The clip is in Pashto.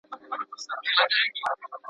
- سیدحسین، شاعر او ليکوال.